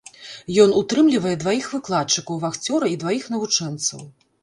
Ён утрымлівае дваіх выкладчыкаў, вахцёра і дваіх навучэнцаў.